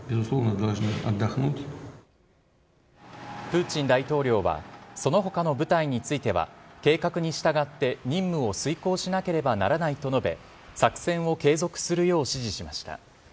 プーチン大統領は、そのほかの部隊については、計画に従って任務を遂行しなければならないと述べ、作戦を継続するよう指示しました。